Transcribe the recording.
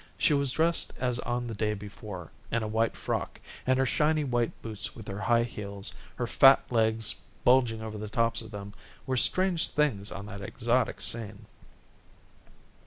She was dressed as on the day before, in a white frock, and her shiny white boots with their high heels, her fat legs bulging over the tops of them, were strange things on that exotic scene.